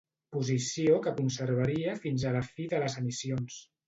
Posició que conservaria fins a la fi de les emissions.